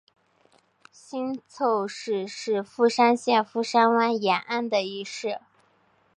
新凑市是富山县富山湾沿岸的一市。